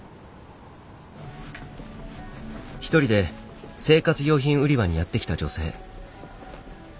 一人で生活用品売り場にやって来た女性。